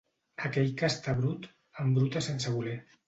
Aquell que està brut, embruta sense voler.